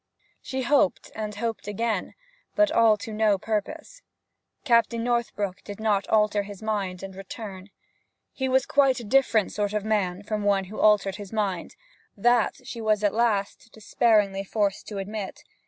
She hoped and hoped again, but all to no purpose. Captain Northbrook did not alter his mind and return. He was quite a different sort of man from one who altered his mind; that she was at last despairingly forced to admit.